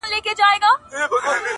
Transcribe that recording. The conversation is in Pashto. الواته کیږي په زور د وزرونو -